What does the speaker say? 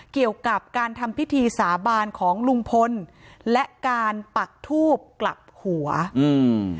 เกี่ยวกับการทำพิธีสาบานของลุงพลและการปักทูบกลับหัวอืม